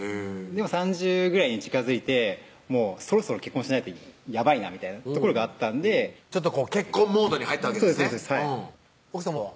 でも３０ぐらいに近づいてそろそろ結婚しないとやばいなみたいなところがあったんで結婚モードに入ったわけですね奥さまは？